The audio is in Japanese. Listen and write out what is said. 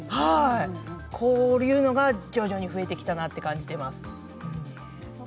こういうのが徐々に増えてきたなという感じでいます。